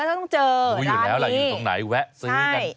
ไซส์ลำไย